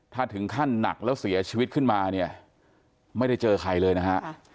ถ้าถึงขั้นหนักแล้วเสียชีวิตขึ้นมาเนี่ยไม่ได้เจอใครเลยนะฮะ